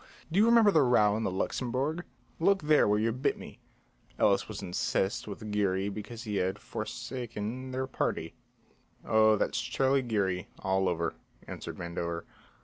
Do you remember the row in the Luxembourg? Look there where you bit me." Ellis was incensed with Geary because he had forsaken their party. "Oh, that's Charlie Geary, all over," answered Vandover.